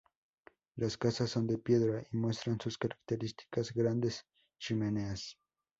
Las casas son de piedra y muestran sus características grandes chimeneas.